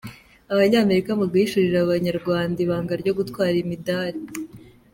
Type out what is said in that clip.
Abanyamerika mu guhishurira Abanyarwanda ibanga ryo gutwara imidari